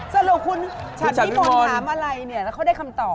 สรุปคุณฉัดนิมนต์ถามอะไรเนี่ยแล้วเขาได้คำตอบ